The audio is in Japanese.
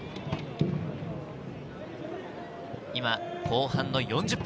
今、後半の４０分。